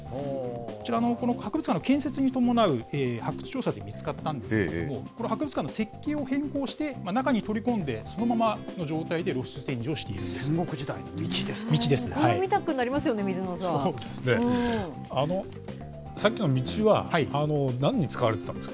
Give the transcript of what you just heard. こちら、博物館の建設に伴う発掘調査で見つかったんですけれども、この博物館の石器を変更して、中に取り込んで、そのままの状態で戦国時代の道ですか。